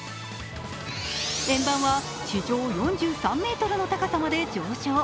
円盤は地上４３ｍの高さまで上昇。